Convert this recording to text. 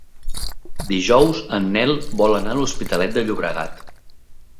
Dijous en Nel vol anar a l'Hospitalet de Llobregat.